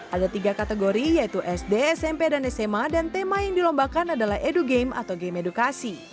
ada tiga kategori yaitu sd smp dan sma dan tema yang dilombakan adalah edu game atau game edukasi